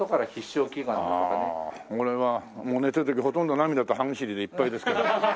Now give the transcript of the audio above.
俺は寝てる時ほとんど涙と歯ぎしりでいっぱいですけど。